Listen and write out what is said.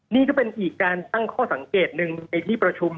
นี่ก็เป็นอีกการตั้งข้อสังเกตหนึ่งในที่ประชุม